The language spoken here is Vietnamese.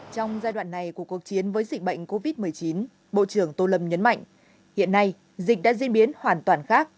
trong giai đoạn này của cuộc chiến với dịch bệnh covid một mươi chín bộ trưởng tô lâm nhấn mạnh hiện nay dịch đã diễn biến hoàn toàn khác